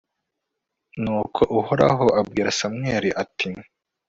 nuko uhoraho abwira samweli, ati